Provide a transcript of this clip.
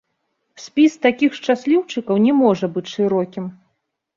Спіс такіх шчасліўчыкаў не можа быць шырокім.